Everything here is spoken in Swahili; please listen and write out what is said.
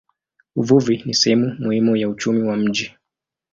Uvuvi ni sehemu muhimu ya uchumi wa mji.